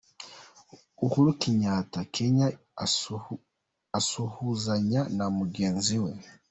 Uhuru Kenyattwa Kenya asuhuzanya na mugenzi we.